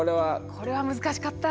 これは難しかった。